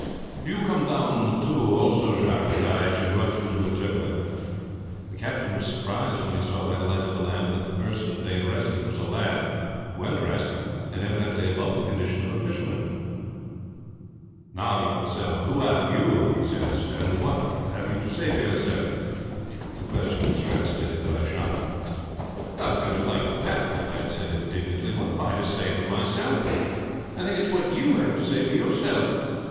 "Do you come, down Jacques, I shall want you to interpret." The captain was surprised when he saw by the light of the lamp that the person they had rescued was a lad, well dressed, and evidently above the condition of fishermen. "Now, young sir, who are you," he asked, "and what have you to say for yourself?" The question was translated by Jacques. "I like that," the lad said indignantly. "What have I to say for myself! I think it's what have you to say for yourselves?